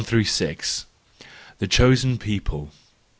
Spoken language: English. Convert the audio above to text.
The Chosen People.